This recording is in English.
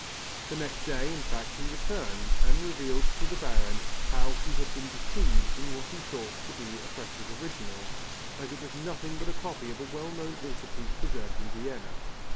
The next day, in fact, he returned and revealed to the Baron how he had been deceived in what he thought to be a precious original, as it was nothing but a copy of a well known altar piece preserved in Vienna.